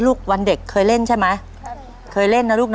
แล้วก็มือนอกมาเลย๑๙๗๘